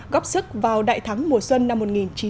góp sức vào đại thắng mùa xuân năm một nghìn chín trăm bảy mươi năm